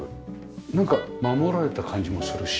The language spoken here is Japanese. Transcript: なんか守られた感じもするし。